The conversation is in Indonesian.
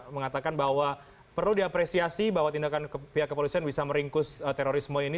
mengatakan bahwa perlu diapresiasi bahwa tindakan pihak kepolisian bisa meringkus terorisme ini